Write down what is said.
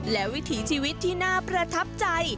และวิถีชีวิตที่น่าประทับใจ